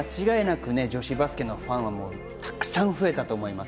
女子バスケのファンは、たくさん増えたと思います。